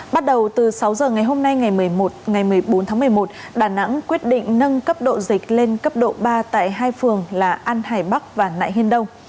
bắt đầu từ sáu giờ ngày hôm nay ngày một mươi một ngày một mươi bốn tháng một mươi một đà nẵng quyết định nâng cấp độ dịch lên cấp độ ba tại hai phường là an hải bắc và nại hiên đông